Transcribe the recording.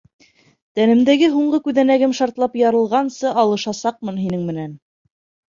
Тәнемдәге һуңғы күҙәнәгем шартлап ярылғансы алышасаҡмын һинең менән.